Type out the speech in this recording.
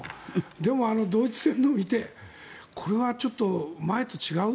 でもドイツ戦を見てこれはちょっと、前と違う。